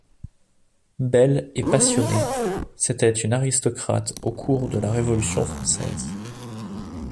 Belle et passionnée, c'était une aristocrate au cours de la Révolution française.